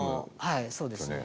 はいそうですね。